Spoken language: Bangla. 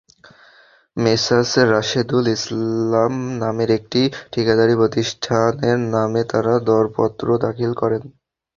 মেসার্স রাশেদুল ইসলাম নামের একটি ঠিকাদারি প্রতিষ্ঠানের নামে তাঁরা দরপত্র দাখিল করেন।